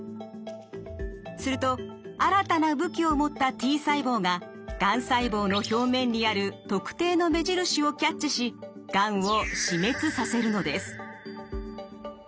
すると新たな武器を持ったＴ細胞ががん細胞の表面にある特定の目印をキャッチしがんを死滅させるのです。